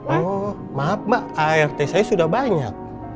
oh maaf mbak art saya sudah banyak